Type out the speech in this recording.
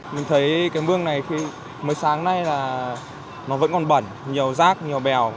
mình thấy cái mương này mới sáng nay là nó vẫn còn bẩn nhiều rác nhiều bèo